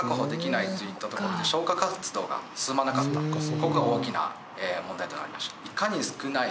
ここが大きな問題となりました。